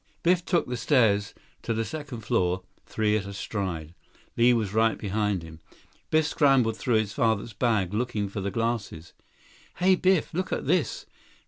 69 Biff took the stairs to the second floor three at a stride. Li was right behind him. Biff scrambled through his father's bag, looking for the glasses. "Hey, Biff. Look at this!"